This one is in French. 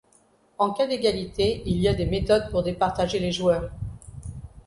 En cas d'égalité, il y a des méthodes pour départager les joueurs.